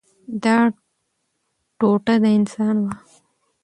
دا ټوټه د انسان وه.